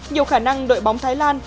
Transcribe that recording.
nhiều khả năng đội bóng thái lan